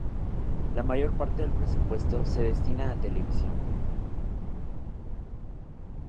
La mayor parte del presupuesto se destina a televisión.